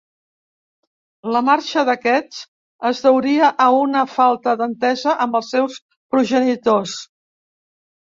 La marxa d'aquests es deuria a una falta d'entesa amb els seus progenitors.